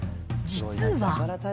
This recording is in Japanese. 実は。